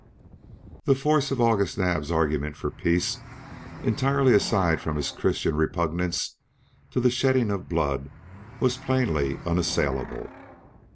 The force of August Naab's argument for peace, entirely aside from his Christian repugnance to the shedding of blood, was plainly unassailable.